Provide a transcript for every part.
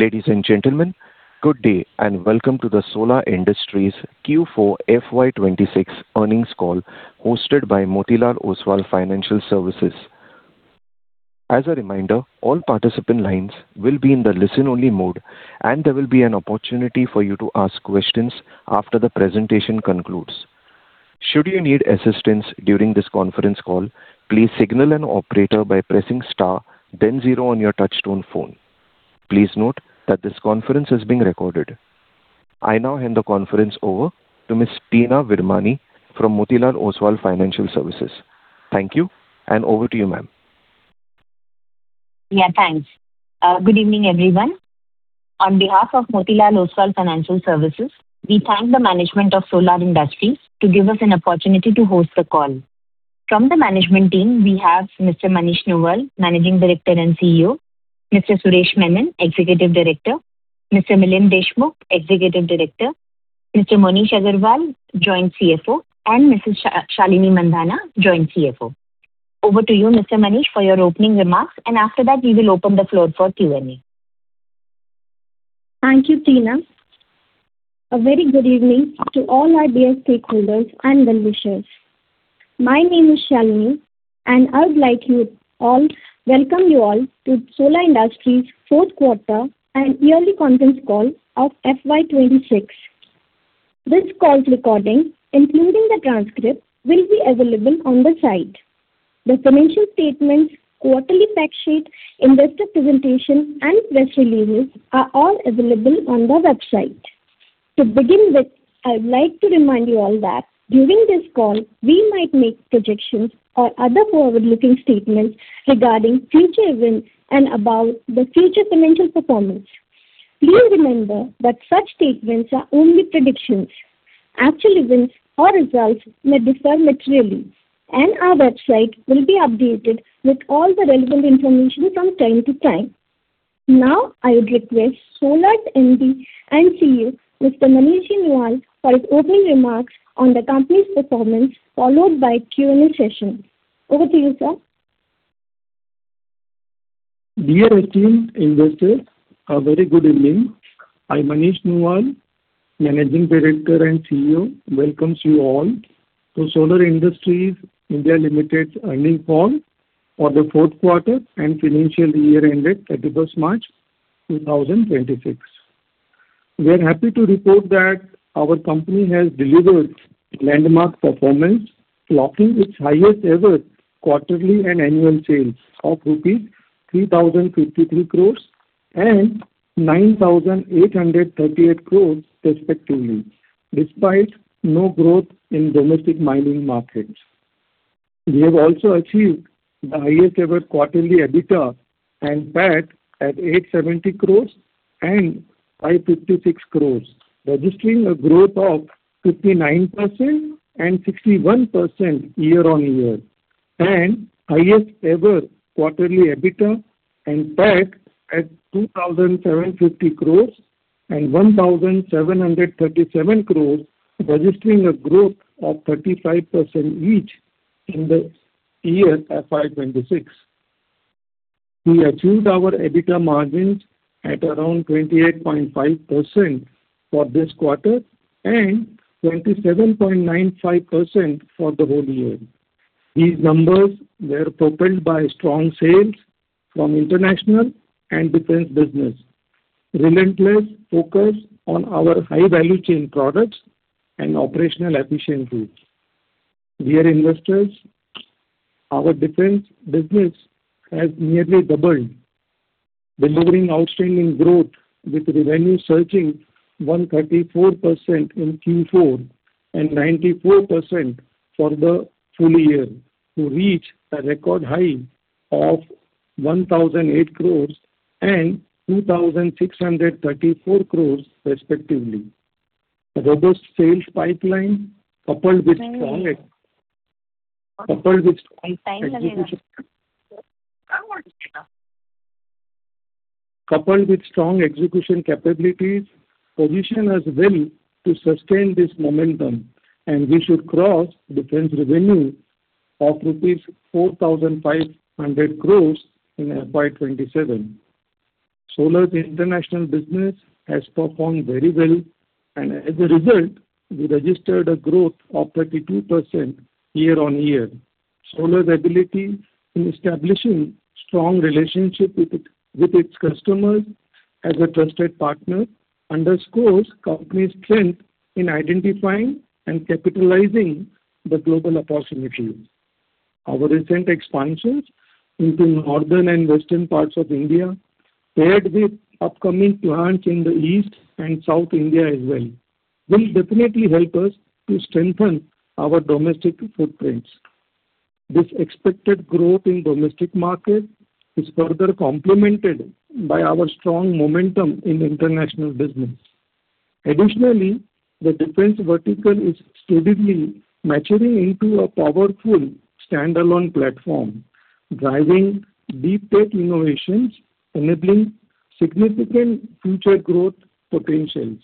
Ladies and gentlemen, good day and welcome to the Solar Industries Q4 FY 2026 earnings call hosted by Motilal Oswal Financial Services. As a reminder, all participant lines will be in the listen-only mode, and there will be an opportunity for you to ask questions after the presentation concludes. Should you need assistance during this conference call, please signal an operator by pressing star then zero on your touch-tone phone. Please note that this conference is being recorded. I now hand the conference over to Miss Teena Virmani from Motilal Oswal Financial Services. Thank you, and over to you, Ma'am. Yeah, thanks. Good evening, everyone. On behalf of Motilal Oswal Financial Services, we thank the management of Solar Industries to give us an opportunity to host the call. From the management team, we have Mr. Manish Nuwal, Managing Director and CEO, Mr. Suresh Menon, Executive Director, Mr. Milind Deshmukh, Executive Director, Mr. Moneesh Agrawal, Joint CFO, and Mrs. Shalinee Mandhana, Joint CFO. Over to you, Mr. Manish, for your opening remarks, and after that, we will open the floor for Q&A. Thank you, Teena. A very good evening to all our dear stakeholders and investors. My name is Shalinee, and I would like to welcome you all to Solar Industries fourth quarter and yearly conference call of FY 2026. This call's recording, including the transcript, will be available on the site. The financial statements, quarterly fact sheet, investor presentation, and press releases are all available on the website. To begin with, I would like to remind you all that during this call, we might make projections or other forward-looking statements regarding future events and about the future financial performance. Please remember that such statements are only predictions. Actual events or results may differ materially, and our website will be updated with all the relevant information from time to time. Now, I would request Solar's MD and CEO, Mr. Manish Nuwal, for his opening remarks on the company's performance, followed by Q&A session. Over to you, Sir. Dear esteemed investors, a very good evening. I, Manish Nuwal, Managing Director and CEO, welcomes you all to Solar Industries India Limited's earnings call for the fourth quarter and financial year ended 31st March 2026. We're happy to report that our company has delivered landmark performance, logging its highest ever quarterly and annual sales of rupees 3,053 crore and 9,838 crore respectively, despite no growth in domestic mining markets. We have also achieved the highest ever quarterly EBITDA and PAT at 870 crore and 556 crore, registering a growth of 59% and 61% year-on-year, and highest ever quarterly EBITDA and PAT at 2,750 crore and 1,737 crore, registering a growth of 35% each in the year FY 2026. We achieved our EBITDA margins at around 28.5% for this quarter and 27.95% for the whole year. These numbers were propelled by strong sales from international and defence business, relentless focus on our high-value chain products and operational efficiencies. Dear investors, our defence business has nearly doubled, delivering outstanding growth with revenue surging 134% in Q4 and 94% for the full year to reach a record high of 1,008 crore and 2,634 crore, respectively. A robust sales pipeline coupled with strong execution capabilities position us well to sustain this momentum, and we should cross defence revenue of rupees 4,500 crore in FY 2027. Solar's international business has performed very well, and as a result, we registered a growth of 32% year-on-year. Solar's ability in establishing strong relationship with its customers as a trusted partner underscores company's strength in identifying and capitalizing the global opportunities. Our recent expansions into northern and western parts of India, paired with upcoming plants in the east and south India as well, will definitely help us to strengthen our domestic footprints. This expected growth in domestic market is further complemented by our strong momentum in international business. Additionally, the defence vertical is steadily maturing into a powerful standalone platform, driving deep tech innovations, enabling significant future growth potentials.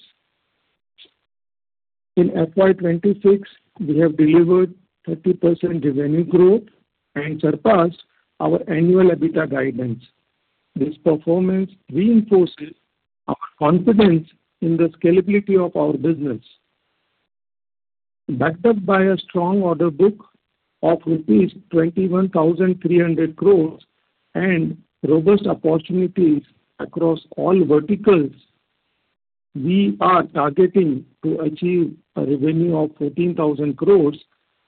In FY 2026, we have delivered 30% revenue growth and surpassed our annual EBITDA guidance. This performance reinforces our confidence in the scalability of our business. Backed up by a strong order book of rupees 21,300 crore and robust opportunities across all verticals, we are targeting to achieve a revenue of 14,000 crore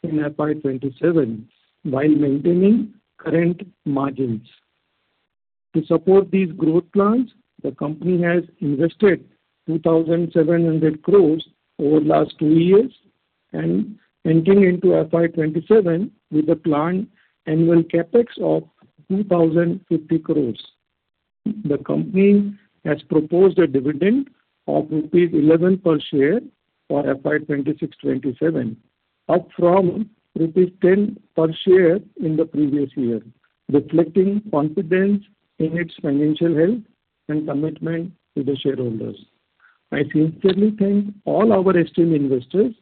in FY 2027 while maintaining current margins. To support these growth plans, the company has invested 2,700 crore over last two years and entering into FY 2027 with a planned annual CapEx of 2,050 crore. The company has proposed a dividend of rupees 11 per share for FY 2026, 2027, up from rupees 10 per share in the previous year, reflecting confidence in its financial health and commitment to the shareholders. I sincerely thank all our esteemed investors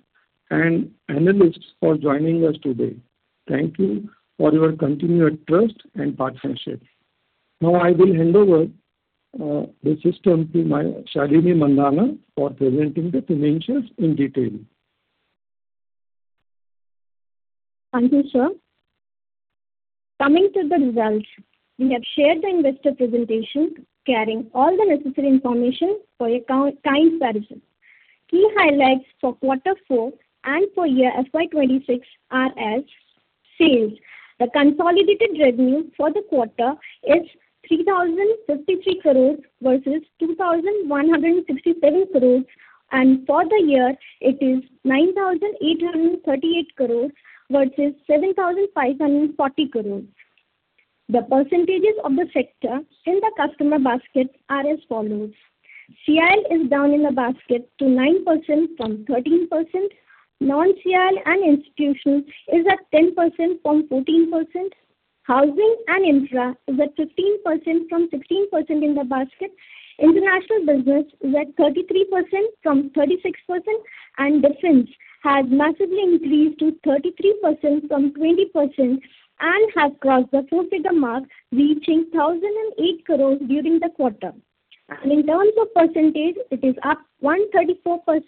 and analysts for joining us today. Thank you for your continued trust and partnership. Now, I will hand over this session to my Shalinee Mandhana for presenting the financials in detail. Thank you, Sir. Coming to the results, we have shared the investor presentation carrying all the necessary information for your kind perusal. Key highlights for quarter four and full-year FY 2026 are as: Sales. The consolidated revenue for the quarter is 3,053 crore versus 2,167 crore, and for the year, it is 9,838 crore versus 7,540 crore. The percentages of the sector in the customer basket are as follows: CIL is down in the basket to 9% from 13%, non-CIL and institutional is at 10% from 14%, housing and infra is at 15% from 16% in the basket, international business is at 33% from 36%, and defence has massively increased to 33% from 20% and has crossed the four-figure mark, reaching 1,008 crore during the quarter. In terms of percentage, it is up 134%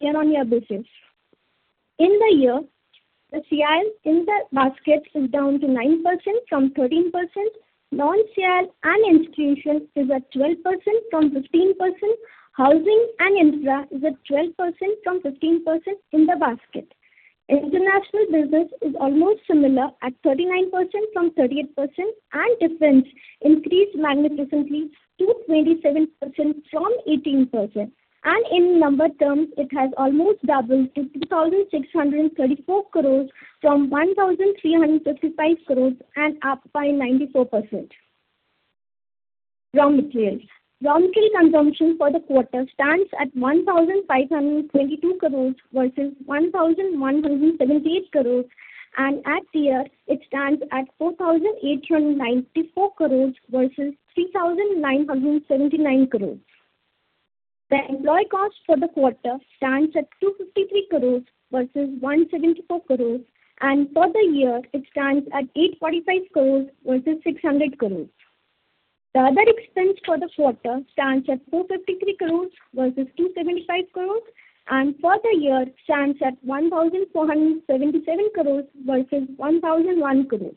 year-on-year basis. In the year, the CIL in the basket is down to 9% from 13%, non-CIL and institutional is at 12% from 15%, housing and infra is at 12% from 15% in the basket, international business is almost similar at 39% from 38%, and defence increased magnificently to 27% from 18% and in number terms, it has almost doubled to 2,634 crore from 1,355 crore and up by 94%. Raw materials. Raw material consumption for the quarter stands at 1,522 crore versus 1,178 crore and at year, it stands at 4,894 crore versus 3,979 crore. The employee cost for the quarter stands at 253 crore versus 174 crore and for the year, it stands at 845 crore versus 600 crore. The other expense for the quarter stands at 453 crore versus 275 crore and for the year, stands at 1,477 crore versus 1,001 crore.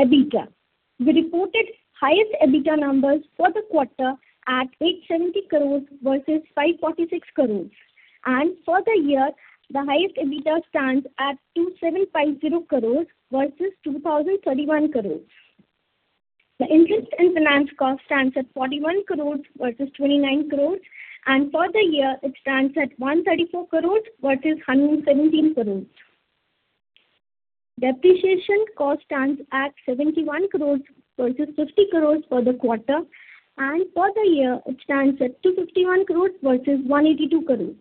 EBITDA. We reported highest EBITDA numbers for the quarter at 870 crore versus 546 crore and for the year, the highest EBITDA stands at 2,750 crore versus 2,031 crore. The interest and finance cost stands at 41 crore versus 29 crore and for the year, it stands at 134 crore versus 117 crore. Depreciation cost stands at 71 crore versus 50 crore for the quarter and for the year, it stands at 251 crore versus 182 crore.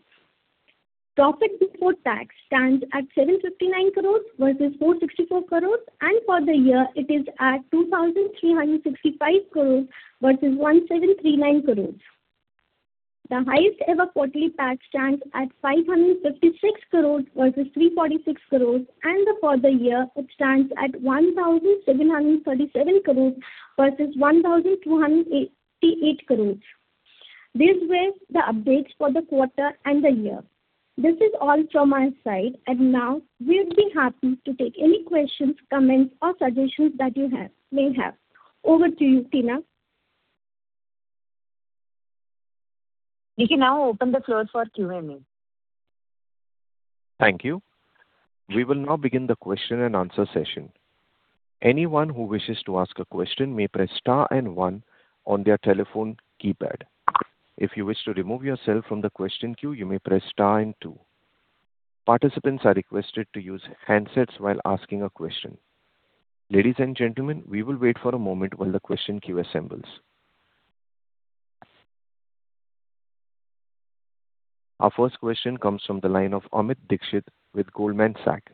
Profit before tax stands at 759 crore versus 464 crore and for the year, it is at 2,365 crore versus 1,739 crore. The highest ever quarterly tax stands at 556 crore versus 346 crore and for the year, it stands at 1,737 crore versus 1,288 crore. These were the updates for the quarter and the year. This is all from my side and now we'll be happy to take any questions, comments, or suggestions that you have, may have. Over to you, Teena. We can now open the floor for Q&A. Thank you. We will now begin the question-and-answer session. Anyone who wishes to ask a question may press star and one on their telephone keypad. If you wish to remove yourself from the question queue, you may press star and two. Participants are requested to use handsets while asking a question. Ladies and gentlemen, we will wait for a moment while the question queue assembles. Our first question comes from the line of Amit Dixit with Goldman Sachs.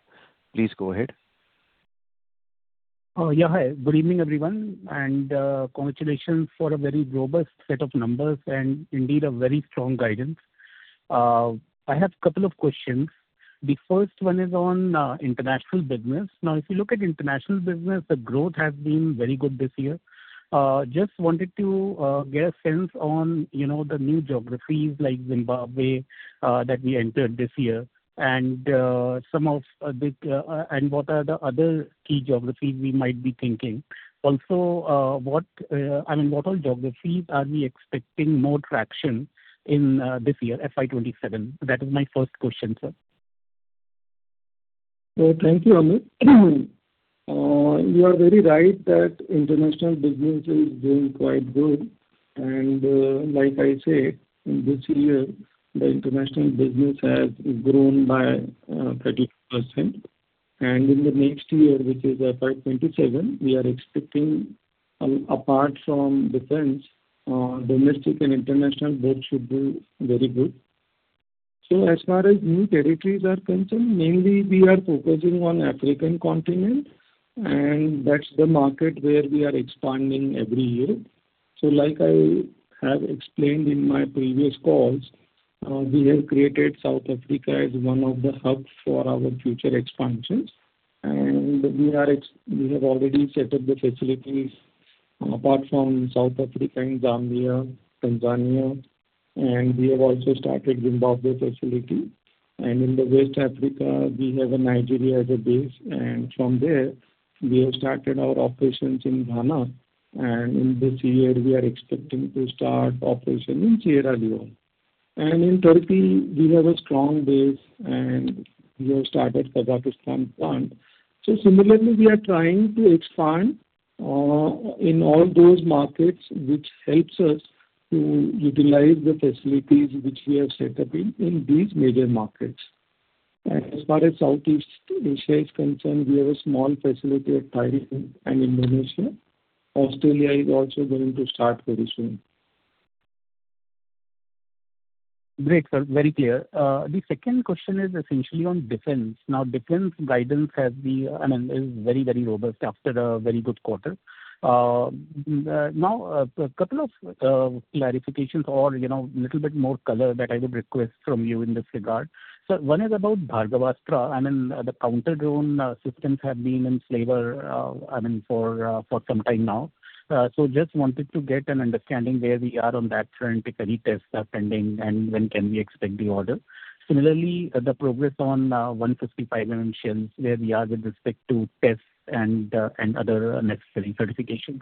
Please go ahead. Hi. Good evening, everyone and congratulations for a very robust set of numbers and indeed a very strong guidance. I have a couple of questions. The first one is on international business. Now, if you look at international business, the growth has been very good this year. Just wanted to get a sense on, you know, the new geographies like Zimbabwe that we entered this year and what are the other key geographies we might be thinking. Also, what, I mean, what all geographies are we expecting more traction in this year, FY 2027? That is my first question, Sir. Thank you, Amit. You are very right that international business is doing quite good. Like I say, in this year, the international business has grown by 32%. In the next year, which is FY 2027, we are expecting, apart from defence, domestic and international both should do very good. As far as new territories are concerned, mainly we are focusing on African continent, and that's the market where we are expanding every year. Like I have explained in my previous calls, we have created South Africa as one of the hubs for our future expansions. We have already set up the facilities, apart from South Africa, in Zambia, Tanzania, and we have also started Zimbabwe facility. In the West Africa, we have Nigeria as a base, and from there we have started our operations in Ghana. In this year, we are expecting to start operation in Sierra Leone. In Turkey, we have a strong base, and we have started Kazakhstan plant. Similarly, we are trying to expand in all those markets which helps us to utilize the facilities which we have set up in these major markets. As far as Southeast Asia is concerned, we have a small facility at Thailand and Indonesia. Australia is also going to start very soon. Great, Sir. Very clear. The second question is essentially on defence. Now, defence guidance has been, I mean, is very, very robust after a very good quarter. A couple of clarifications or, you know, little bit more color that I would request from you in this regard. One is about Bhargavastra. I mean, the counter-drone systems have been in flavor, I mean, for some time now. Just wanted to get an understanding where we are on that front, if any tests are pending, and when can we expect the order. Similarly, the progress on 155 mm shells, where we are with respect to tests and other necessary certifications.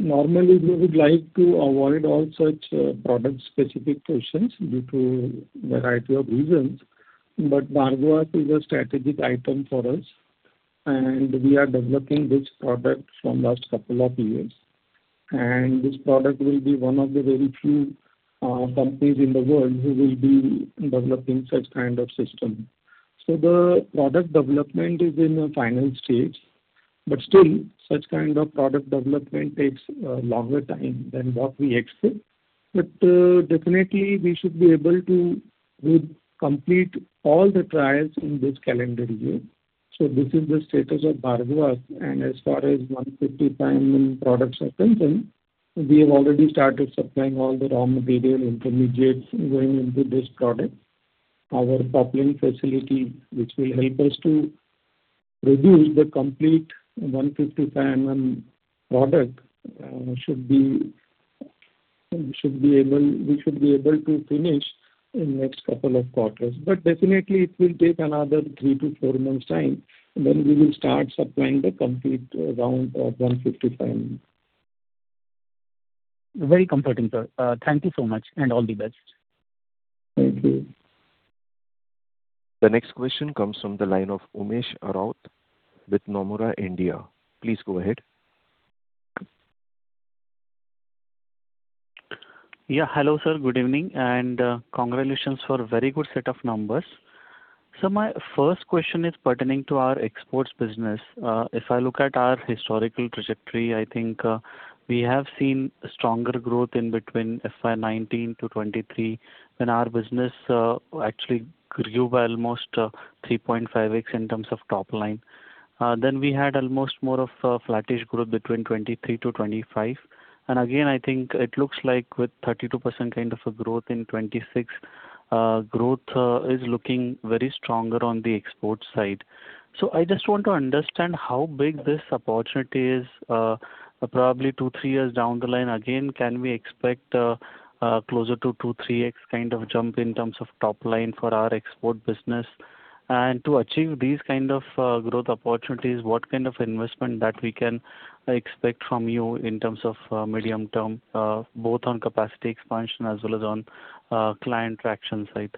Normally, we would like to avoid all such product-specific questions due to variety of reasons. But Bhargavastra is a strategic item for us, and we are developing this product from last couple of years. This product will be one of the very few companies in the world who will be developing such kind of system. The product development is in the final stage, but still such kind of product development takes longer time than what we expect. Definitely, we should be able to complete all the trials in this calendar year. This is the status of Bhargavastra. As far as 155 mm products are concerned, we have already started supplying all the raw material intermediates going into this product. Our coupling facility, which will help us to produce the complete 155 mm product, should be able to finish in next couple of quarters, but definitely, it will take another three to four months' time, then we will start supplying the complete round of 155 mm. Very comforting, Sir. Thank you so much, and all the best. Thank you. The next question comes from the line of Umesh Raut with Nomura India. Please go ahead. Hello, Sir. Good evening and congratulations for very good set of numbers. My first question is pertaining to our exports business. If I look at our historical trajectory, I think, we have seen stronger growth in between FY 2019 to 2023, when our business actually grew by almost 3.5x in terms of top line. Then, we had almost more of a flattish growth between 2023 to 2025. Again, I think it looks like with 32% kind of a growth in 2026, growth is looking very stronger on the export side. I just want to understand how big this opportunity is. Probably two, three years down the line, again, can we expect closer to 2x, 3x kind of jump in terms of top line for our export business? To achieve these kinds of growth opportunities, what kind of investment that we can expect from you in terms of medium term, both on capacity expansion as well as on client traction side?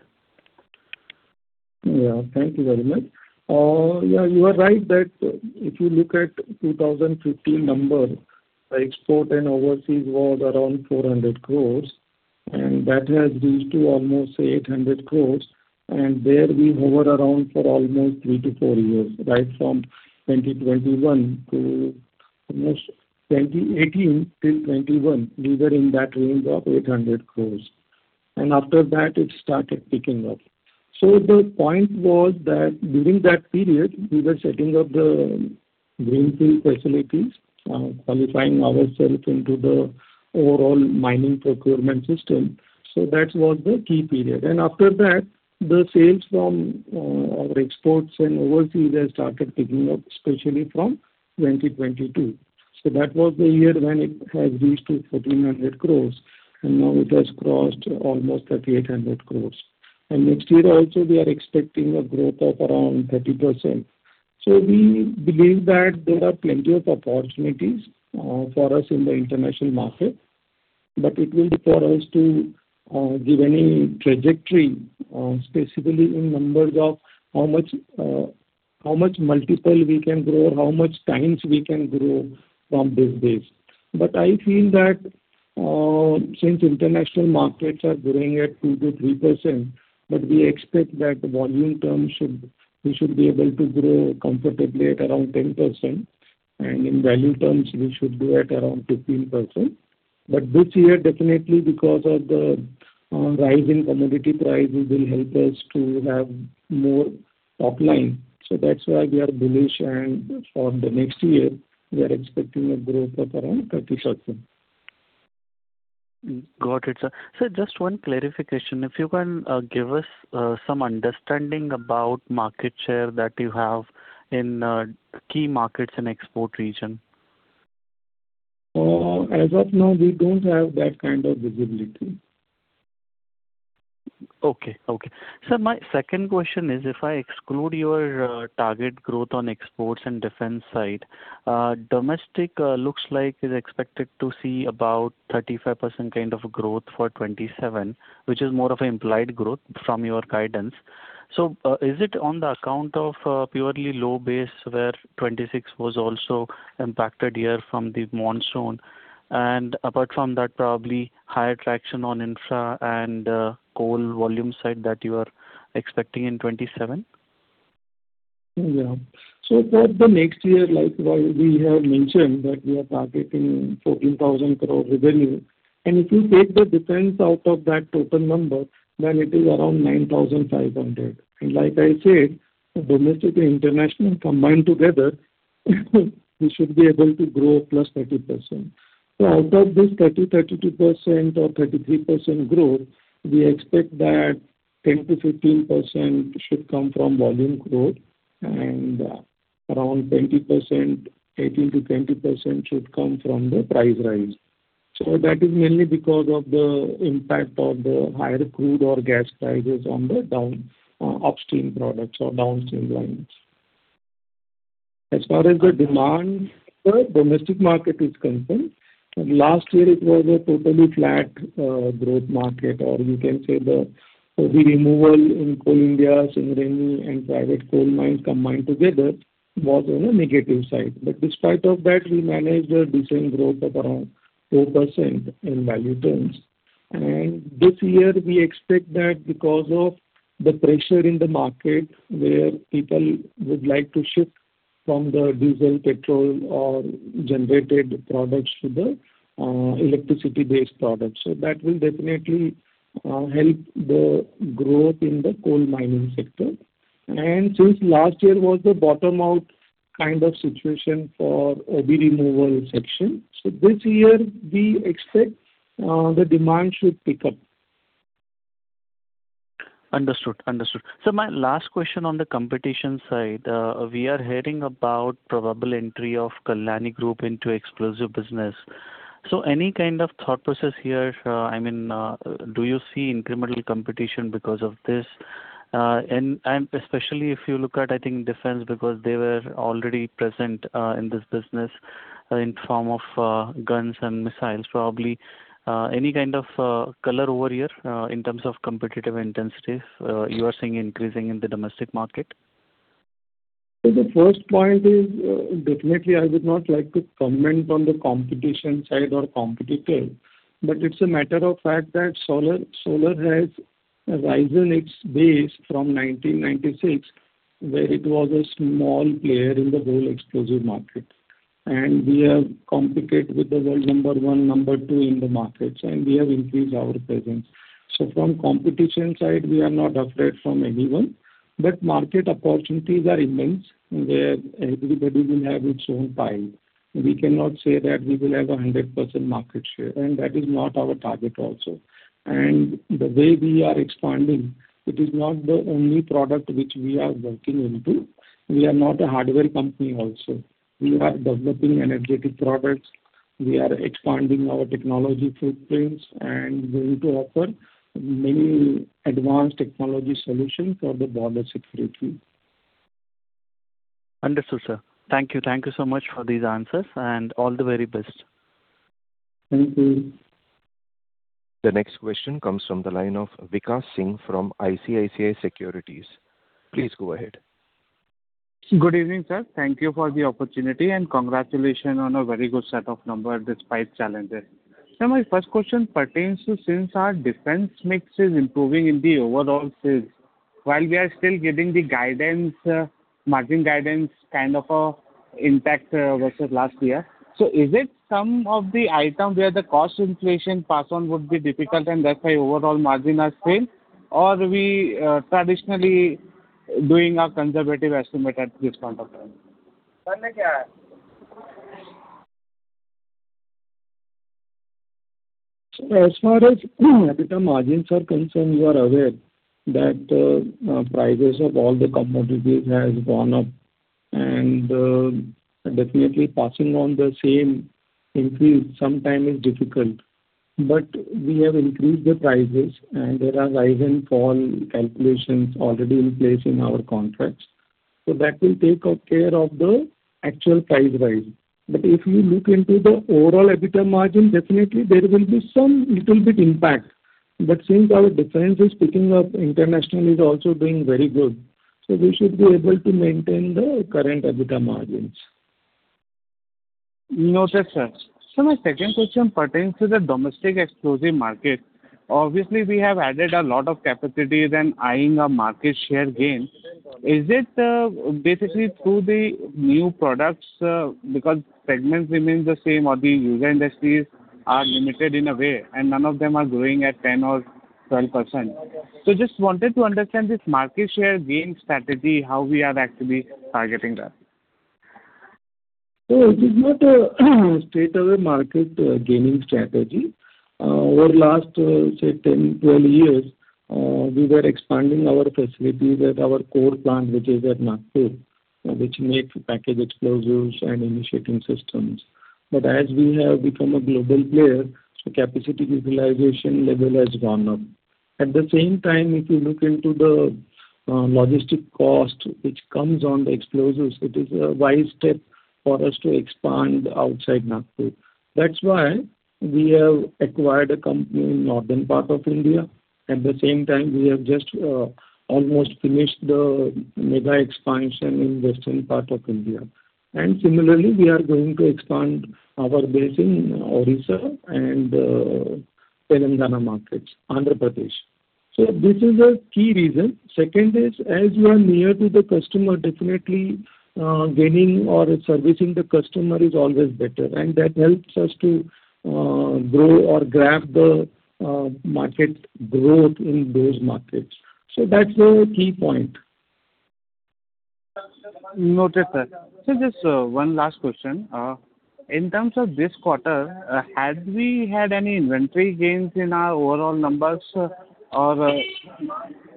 Yeah. Thank you very much. Yeah, you are right that if you look at 2015 number, the export and overseas was around 400 crore, and that has reached to almost 800 crore. There, we hover around for almost three to four years, right from 2021 to almost, 2018 till 2021, we were in that range of 800 crore. After that, it started picking up. The point was that during that period, we were setting up the greenfield facilities, qualifying ourselves into the overall mining procurement system. That was the key period. After that, the sales from our exports and overseas has started picking up, especially from 2022. That was the year when it has reached to 1,400 crore, and now it has crossed almost 3,800 crore. Next year also we are expecting a growth of around 30%. We believe that there are plenty of opportunities for us in the international market, but it will be for us to give any trajectory specifically in numbers of how much multiple we can grow, how much times we can grow from this base. I feel that since international markets are growing at 2%-3%, but we expect that volume terms should, we should be able to grow comfortably at around 10%, and in value terms we should be at around 15%. This year, definitely because of the rise in commodity price, it will help us to have more top line. That's why we are bullish. For the next year, we are expecting a growth of around 30%. Got it, Sir. Sir, just one clarification, if you can give us some understanding about market share that you have in key markets and export region. As of now, we don't have that kind of visibility. Okay. Okay. Sir, my second question is if I exclude your target growth on exports and defence side, domestic looks like is expected to see about 35% kind of growth for FY 2027, which is more of an implied growth from your guidance. Is it on the account of purely low base where FY 2026 was also impacted here from the monsoon? Apart from that, probably higher traction on infra and coal volume side that you are expecting in FY 2027? Yeah. For the next year, like what we have mentioned that we are targeting 14,000 crore revenue, and if you take the defence out of that total number, then it is around 9,500 crore. Like I said, domestic and international combined together, we should be able to grow +30%. Out of this 30%, 32% or 33% growth, we expect that 10%-15% should come from volume growth and around 20%, 18%-20% should come from the price rise. That is mainly because of the impact of the higher crude or gas prices on the down, upstream products or downstream lines. As far as the demand for domestic market is concerned, last year it was a totally flat growth market. You can say the OB removal in Coal India, Singareni, and private coal mines combined together was on a negative side. Despite of that, we managed a decent growth of around 4% in value terms. This year, we expect that because of the pressure in the market where people would like to shift from the diesel, petrol, or generated products to the electricity-based products. That will definitely help the growth in the coal mining sector. Since last year was the bottom out kind of situation for OB removal section, this year, we expect the demand should pick up. Understood. Understood. Sir, my last question on the competition side. We are hearing about probable entry of Kalyani Group into explosive business, so any kind of thought process here? I mean, do you see incremental competition because of this? Especially if you look at, I think, defence, because they were already present in this business in form of guns and missiles, probably. Any kind of color over here, in terms of competitive intensity you are seeing increasing in the domestic market? The first point is, definitely I would not like to comment on the competition side or competitor, but it's a matter of fact that Solar has risen its base from 1996, where it was a small player in the whole explosive market. We have competed with the world number one, number two in the markets, and we have increased our presence. From competition side, we are not afraid from anyone. But market opportunities are immense, where everybody will have its own pie. We cannot say that we will have a 100% market share, and that is not our target also. The way we are expanding, it is not the only product which we are working into. We are not a hardware company also. We are developing energetic products. We are expanding our technology footprints and going to offer many advanced technology solutions for the border security. Understood, Sir. Thank you. Thank you so much for these answers, and all the very best. Thank you. The next question comes from the line of Vikash Singh from ICICI Securities. Please go ahead. Good evening, Sir. Thank you for the opportunity and congratulations on a very good set of numbers despite challenges. Sir, my first question pertains to since our defence mix is improving in the overall sales, while we are still getting the guidance, margin guidance kind of a impact versus last year, so is it some of the item where the cost inflation pass on would be difficult and that's why overall margin has failed? Or we traditionally doing a conservative estimate at this point of time? Sir, as far as EBITDA margins are concerned, you are aware that prices of all the commodities has gone up, and definitely passing on the same increase sometime is difficult. But we have increased the prices and there are rise and fall calculations already in place in our contracts. That will take good care of the actual price rise. If you look into the overall EBITDA margin, definitely there will be some little bit impact. But since our defence is picking up, international is also doing very good, and we should be able to maintain the current EBITDA margins. Noted, Sir. Sir, my second question pertains to the domestic explosive market. Obviously, we have added a lot of capacities and eyeing a market share gain. Is it basically through the new products, because segments remains the same or the user industries are limited in a way, and none of them are growing at 10% or 12%, so just wanted to understand this market share gain strategy, how we are actually targeting that? It is not a straight away market gaining strategy. Over last, say, 10, 12 years, we were expanding our facilities at our core plant, which is at Nagpur, which makes packaged explosives and initiating systems. As we have become a global player, capacity utilization level has gone up. At the same time, if you look into the logistic cost which comes on the explosives, it is a wise step for us to expand outside Nagpur. That's why we have acquired a company in northern part of India. At the same time, we have just almost finished the mega expansion in western part of India. Similarly, we are going to expand our base in Odisha and Telangana markets, Andhra Pradesh. So, this is a key reason. Second is, as you are near to the customer, definitely, gaining or servicing the customer is always better, and that helps us to grow or grab the market growth in those markets. That's the key point. Noted, Sir. Sir, just one last question. In terms of this quarter, had we had any inventory gains in our overall numbers, or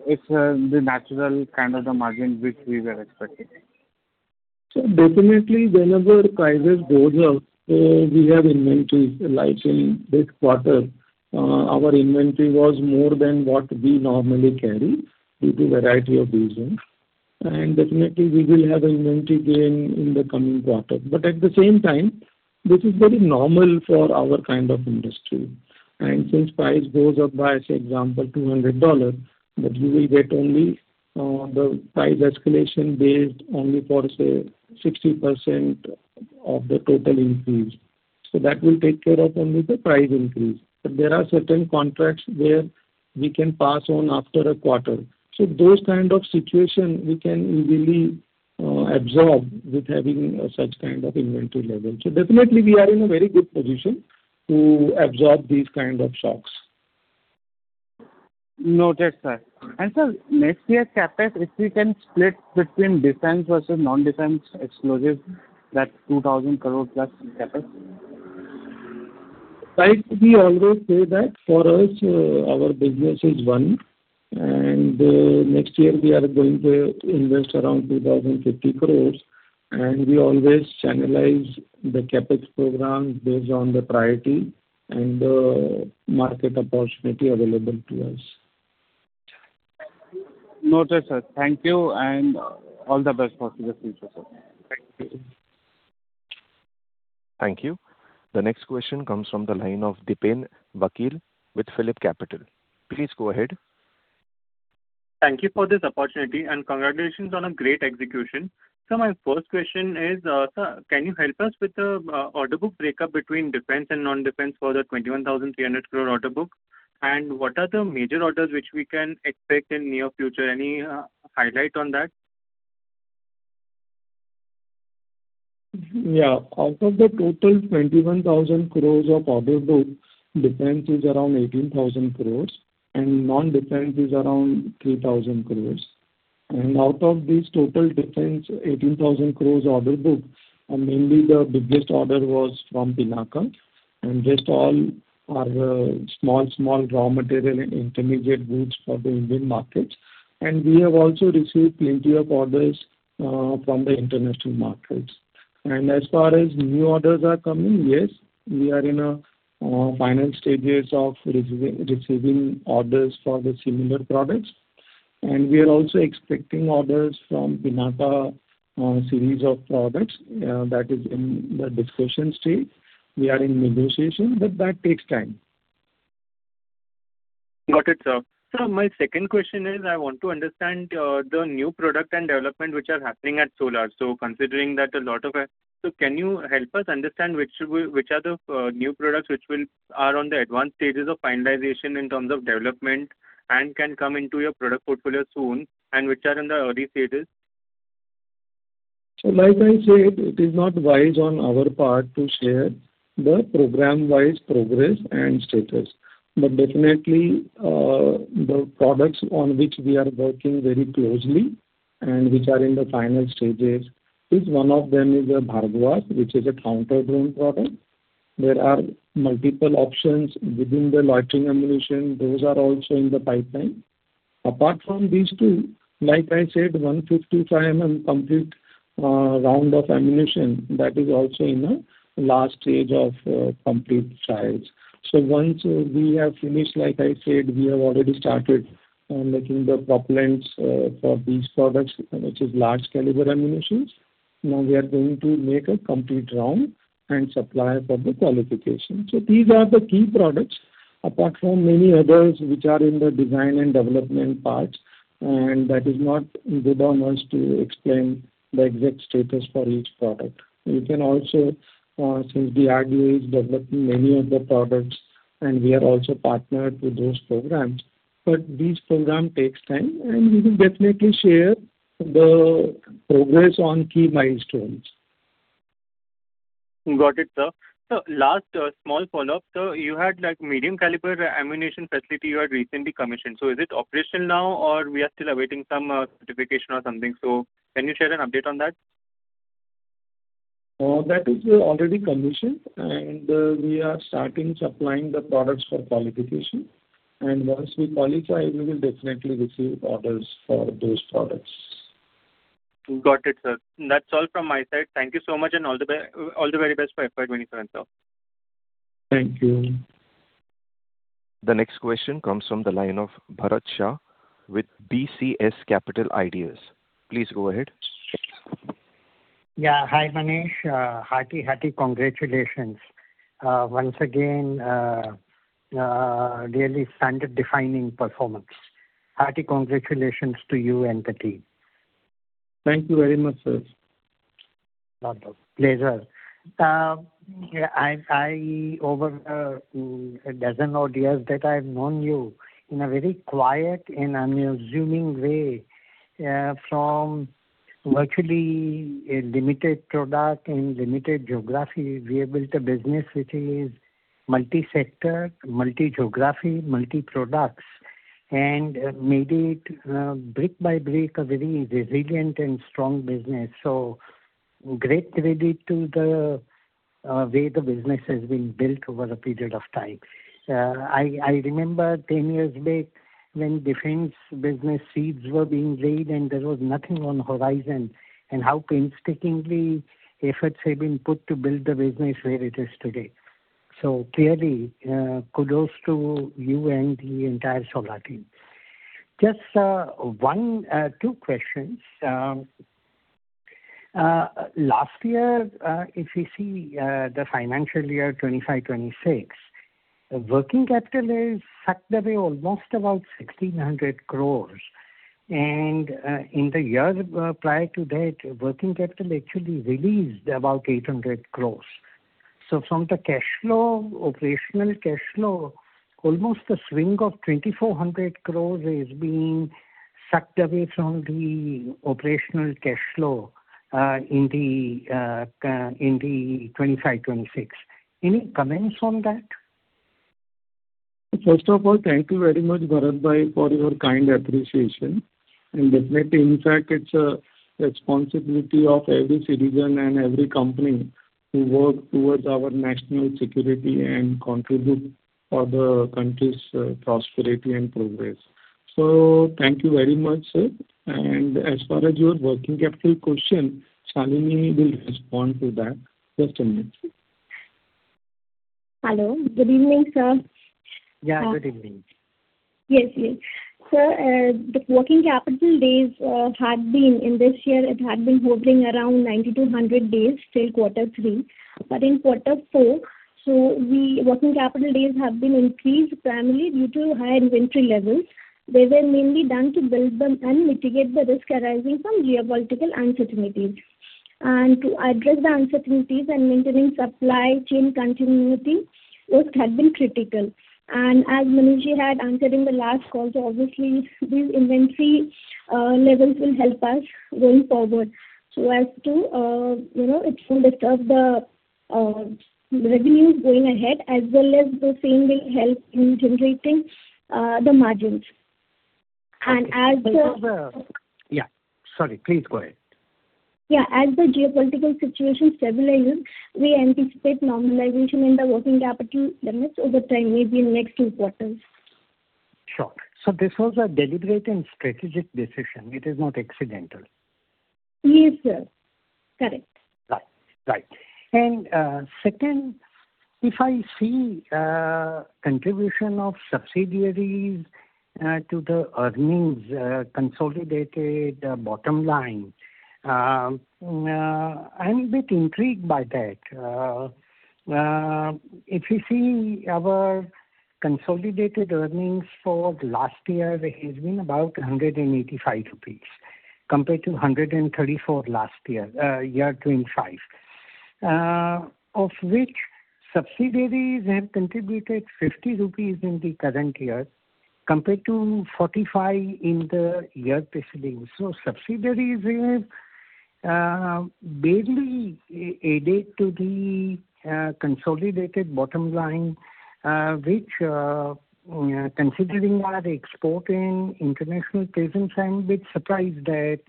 it's the natural kind of the margin which we were expecting? Definitely, whenever prices goes up, we have inventory. Like in this quarter, our inventory was more than what we normally carry due to variety of reasons. Definitely, we will have inventory gain in the coming quarter. At the same time, this is very normal for our kind of industry. Since price goes up by, say, example, INR 200, but we will get only the price escalation based only for, say, 60% of the total increase. That will take care of only the price increase. There are certain contracts where we can pass on after a quarter. Those kinds of situation we can easily absorb with having such kind of inventory level. Definitely, we are in a very good position to absorb these kinds of shocks. Noted, Sir. Sir, next year's CapEx, if we can split between defence versus non-defence explosives, that INR 2,000 crore+ CapEx? Right. We always say that for us, our business is one, and next year we are going to invest around 2,050 crore, and we always analyze the CapEx program based on the priority and market opportunity available to us. Noted, Sir. Thank you, and all the best for the future, Sir. Thank you. Thank you. The next question comes from the line of Dipen Vakil with PhillipCapital. Please go ahead. Thank you for this opportunity, and congratulations on a great execution. Sir, my first question is, Sir, can you help us with the order book breakup between defence and non-defence for the 21,300 crore order book? What are the major orders which we can expect in near future? Any highlight on that? Out of the total 21,000 crore of order book, defence is around 18,000 crore and non-defence is around 3,000 crore. Out of this total defence 18,000 crore order book, mainly the biggest order was from Pinaka, and just all are small, small raw material and intermediate goods for the Indian markets. We have also received plenty of orders from the international markets. As far as new orders are coming, yes, we are in final stages of receiving orders for the similar products. We are also expecting orders from Pinaka series of products that is in the discussion stage. We are in negotiation, but that takes time. Got it, Sir. Sir, my second question is I want to understand the new product and development which are happening at Solar. Considering that a lot of, can you help us understand which are the new products which are on the advanced stages of finalization in terms of development and can come into your product portfolio soon, and which are in the early stages? Like I said, it is not wise on our part to share the program-wise progress and status. Definitely, the products on which we are working very closely, and which are in the final stages is one of them is Bhargavastra, which is a counter-drone product. There are multiple options within the loitering munition, those are also in the pipeline. Apart from these two, like I said, 155 mm complete round of ammunition that is also in the last stage of complete trials. Once we have finished, like I said, we have already started on making the propellants for these products, which is large caliber ammunitions. Now, we are going to make a complete round and supply for the qualification. These are the key products, apart from many others which are in the design and development parts, and that is not good on us to explain the exact status for each product. We can also, since DRDO is developing many of the products and we are also partnered with those programs. These program takes time, and we will definitely share the progress on key milestones. Got it, Sir. Last, small follow-up, Sir. You had like medium caliber ammunition facility you had recently commissioned. Is it operational now, or we are still awaiting some certification or something? Can you share an update on that? That is already commissioned, and we are starting supplying the products for qualification. Once we qualify, we will definitely receive orders for those products. Got it, Sir. That's all from my side. Thank you so much, and all the very best for FY 2027, Sir. Thank you. The next question comes from the line of Bharat Shah with BCS Capital Ideas. Please go ahead. Yeah. Hi, Manish, hearty, hearty congratulations. Once again, really standard-defining performance. Hearty congratulations to you and the team. Thank you very much, Sir. Lot of pleasure. Yeah, I, over a dozen odd years that I've known you, in a very quiet and unassuming way, from virtually a limited product and limited geography, we have built a business which is multi-sector, multi-geography, multi-products, and made it brick by brick, a very resilient and strong business. So, great credit to the way the business has been built over a period of time. I remember 10 years back when defence business seeds were being laid and there was nothing on the horizon, and how painstakingly efforts have been put to build the business where it is today. Clearly, kudos to you and the entire Solar team. Just one, two questions. Last year, if you see the financial year 2025, 2026, working capital is sucked away almost about 1,600 crore. In the years prior to that, working capital actually released about 800 crore. From the cash flow, operational cash flow, almost a swing of 2,400 crore is being sucked away from the operational cash flow in the 2025, 2026. Any comments on that? First of all, thank you very much, Bharatbhai, for your kind appreciation. Definitely, in fact, it's a responsibility of every citizen and every company to work towards our national security and contribute for the country's prosperity and progress. Thank you very much, Sir. As far as your working capital question, Shalinee will respond to that. Just a minute. Hello. Good evening, Sir. Yeah, good evening. Yes, yes. The working capital days had been in this year, it had been holding around 90-100 days till quarter three. But in quarter four, working capital days have been increased primarily due to high inventory levels. They were mainly done to build them and mitigate the risk arising from geopolitical uncertainties. To address the uncertainties and maintaining supply chain continuity, both had been critical. As Manishji had answered in the last call, obviously these inventory levels will help us going forward. You know, it won't disturb the revenues going ahead, as well as the same will help in generating the margins. Yeah. Sorry. Please go ahead. Yeah. As the geopolitical situation stabilizes, we anticipate normalization in the working capital limits over time, maybe in next two quarters. Sure. So, this was a deliberate and strategic decision, it is not accidental? Yes, Sir. Correct. Right. Right. Second, if I see contribution of subsidiaries to the earnings, consolidated bottom line, I'm a bit intrigued by that. If you see our consolidated earnings for last year has been about 185 rupees compared to 134 last year, year 2025, of which, subsidiaries have contributed 50 rupees in the current year compared to 45 in the year preceding. Subsidiaries have barely added to the consolidated bottom line, which, considering our exporting international presence, I'm a bit surprised at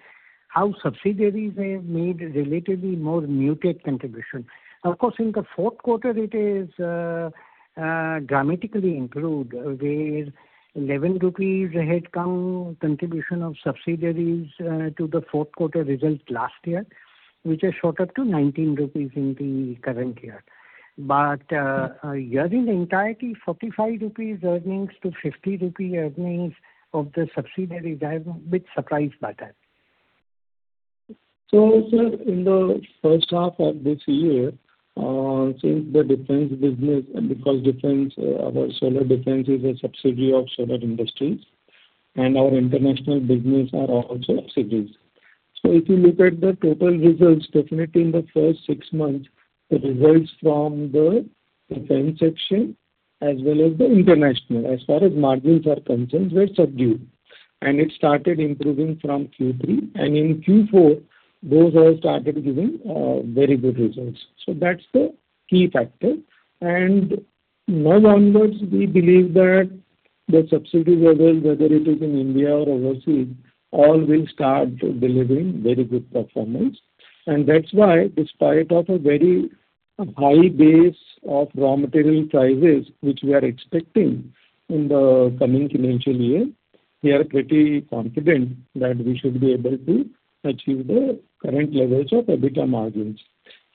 how subsidiaries have made relatively more muted contribution. Of course, in the fourth quarter, it is dramatically improved. There's 11 rupees headcount contribution of subsidiaries to the fourth quarter results last year, which has shot up to 19 rupees in the current year. But a year in entirety, 45 rupees earnings to 50 rupee earnings of the subsidiaries, I'm a bit surprised by that. Sir, in the first half of this year, since the defence business, and because defence, our Solar Defence is a subsidiary of Solar Industries, and our international business are also subsidiaries. If you look at the total results, definitely in the first six months, the results from the defence section as well as the international, as far as margins are concerned, were subdued. It started improving from Q3. In Q4, those all started giving very good results. That's the key factor. Now onwards, we believe that the subsidiaries levels, whether it is in India or overseas, all will start delivering very good performance. That's why despite of a very high base of raw material prices, which we are expecting in the coming financial year, we are pretty confident that we should be able to achieve the current levels of EBITDA margins.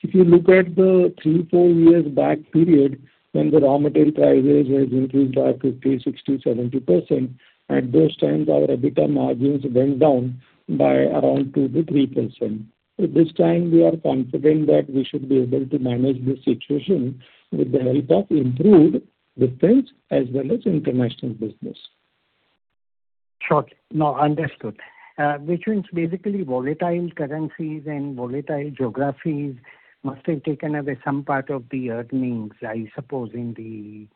If you look at the three, four years back period when the raw material prices has increased by 50%, 60%, 70%, at those times our EBITDA margins went down by around 2%-3%. This time, we are confident that we should be able to manage the situation with the help of improved defence as well as international business. Sure. Understood. Which means basically volatile currencies and volatile geographies must have taken away some part of the earnings, I suppose, in the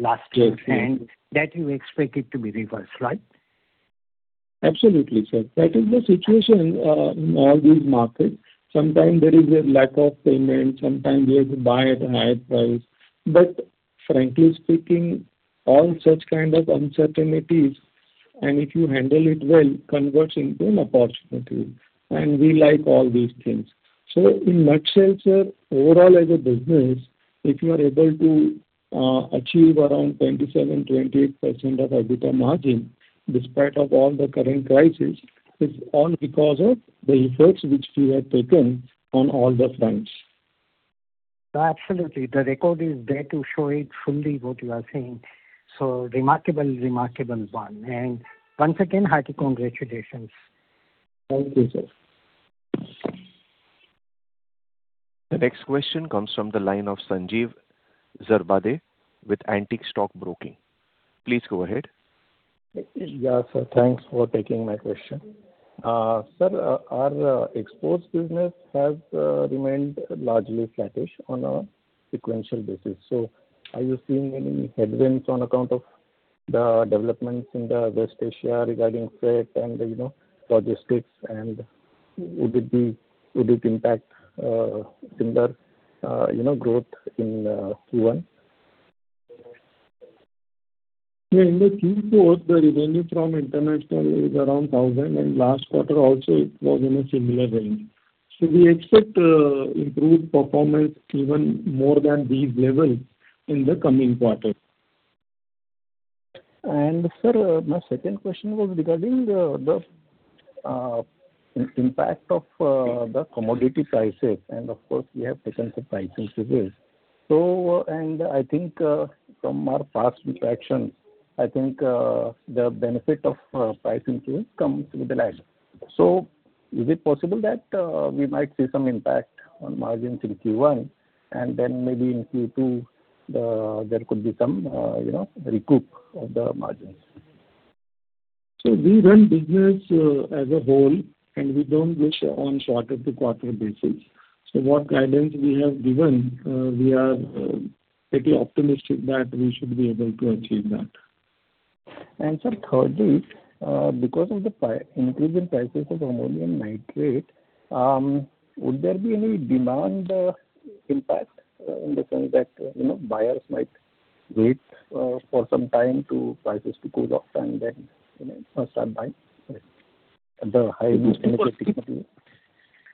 last few years? Yes. That you expect it to be reversed, right? Absolutely, Sir. That is the situation in all these markets. Sometimes there is a lack of payment, sometimes we have to buy at a higher price. But frankly speaking, all such kind of uncertainties, and if you handle it well, converts into an opportunity. And we like all these things. In nutshell, Sir, overall, as a business, if you are able to achieve around 27%-28% of EBITDA margin despite of all the current crisis, it's all because of the efforts which we have taken on all the fronts. Absolutely. The record is there to show it fully what you are saying. So, remarkable, remarkable one. Once again, hearty congratulations. Thank you, Sir. The next question comes from the line of Sanjeev Zarbade with Antique Stock Broking. Please go ahead. Yeah, Sir. Thanks for taking my question. Sir, our exports business has remained largely flattish on a sequential basis. Are you seeing any headwinds on account of the developments in the West Asia regarding freight and, you know, logistics? Would it impact in the, you know, growth in Q1? In the Q4, the revenue from international is around 1,000, and last quarter also, it was in a similar range. We expect improved performance even more than these levels in the coming quarter. Sir, my second question was regarding the impact of the commodity prices, and of course we have taken some pricing changes. I think, from our past interactions, I think, the benefit of pricing change comes with a lag. Is it possible that we might see some impact on margins in Q1, and then maybe in Q2, there could be some, you know, recoup of the margins? We run business as a whole, and we don't wish on quarter-to-quarter basis. What guidance we have given, we are pretty optimistic that we should be able to achieve that. Sir, thirdly, because of the increase in prices of ammonium nitrate, would there be any demand impact, in the sense that, you know, buyers might wait for some time to prices to cool off and then, you know, start buying at the high?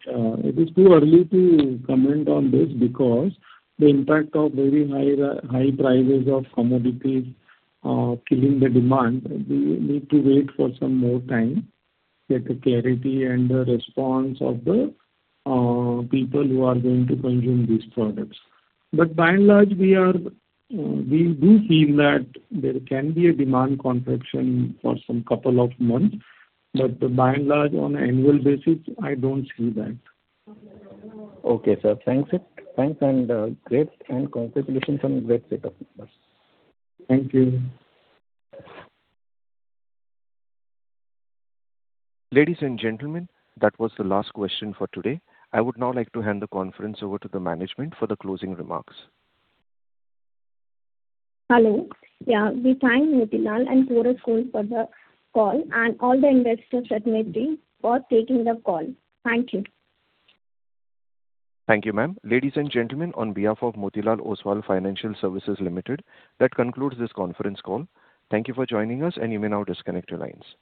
It is too early to comment on this because the impact of very high prices of commodities, killing the demand, we need to wait for some more time, get a clarity and the response of the people who are going to consume these products. But by and large, we are, we do feel that there can be a demand contraction for some couple of months. By and large, on annual basis, I don't see that. Okay, Sir. Thanks, Sir. Thanks and, great, and congratulations on great set of numbers. Thank you. Ladies and gentlemen, that was the last question for today. I would now like to hand the conference over to the management for the closing remarks. Hello. Yeah. We thank Motilal and Chorus Call for the call and all the investors that may be for taking the call. Thank you. Thank you, Ma'am. Ladies and gentlemen, on behalf of Motilal Oswal Financial Services Limited, that concludes this conference call. Thank you for joining us, and you may now disconnect your lines.